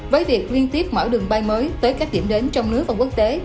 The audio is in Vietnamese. với việc liên tiếp mở đường bay mới tới các điểm đến trong nước và quốc tế